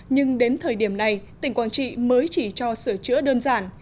nhưng đến thời điểm này tỉnh quảng trị mới chỉ cho sửa chữa đơn giản